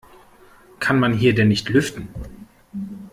Kann man hier denn nicht lüften?